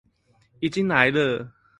已經來了！